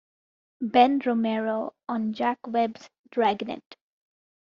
Ben Romero on Jack Webb's "Dragnet".